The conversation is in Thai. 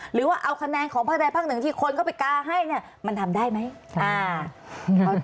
หรือว่าเอาคะแนนของภาคใดภาคหนึ่งที่คนเข้าไปกาให้เนี่ยมันทำได้ไหม